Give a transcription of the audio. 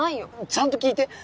ちゃんと聞いて？